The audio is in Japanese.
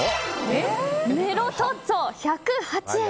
メロトッツォ、１０８円。